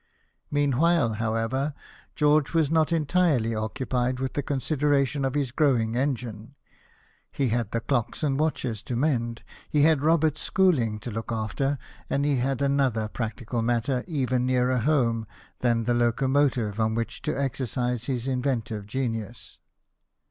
M eanwhile, however, George was not entirely occupied with the consideration of his growing engine. He had the clocks and watches to mend ; he had Robert's schooling to look after ; and he had another practical matter even nearer home than the locomotive on which to 46 BIOGRAPHIES OF WORKING MEN. exercise his inventive genius.